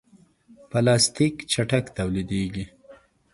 پلاستيک چټک تولیدېږي.